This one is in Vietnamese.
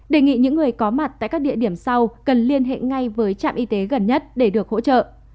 đề nghị những người có mặt tại các địa điểm sau cần liên hệ ngay với trạm y tế gần nhất để được hỗ trợ